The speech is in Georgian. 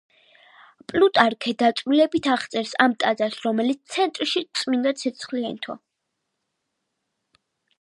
პლუტარქე დაწვრილებით აღწერს ამ ტაძარს, რომლის ცენტრშიც წმინდა ცეცხლი ენთო.